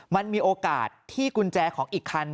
มันมีโอกาสที่กุญแจของอีกคัน